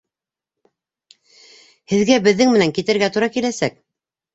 Һеҙгә беҙҙең менән китергә тура киләсәк!